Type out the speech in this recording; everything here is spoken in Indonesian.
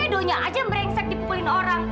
edo nya aja merengsek dipukulin orang